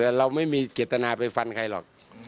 แต่เราไม่มีเจตนาไปฟันใครหรอก